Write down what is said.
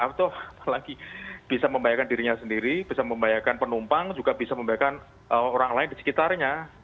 nah itu apalagi bisa membayangkan dirinya sendiri bisa membayangkan penumpang juga bisa membayangkan orang lain di sekitarnya